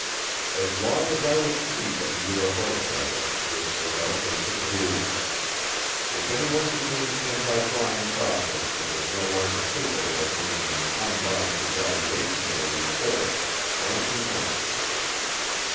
As long as I was chief of the UFO project, this was our basic rule. If anyone became anti flying saucer and was no longer capable of making an unbiased evaluation of a report, out he went.